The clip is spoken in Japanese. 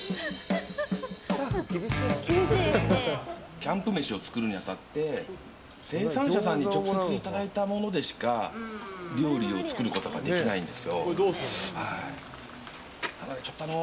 キャンプ飯を作るに当たって生産者さんに直接いただいたものでしか料理を作ることができないんですよ。